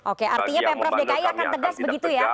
oke artinya pemprov dki akan tegas begitu ya